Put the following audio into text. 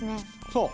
そう。